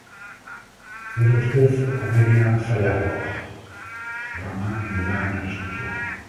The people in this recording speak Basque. Nire ustez, komedia zailagoa da, drama ez da hain arriskutsua.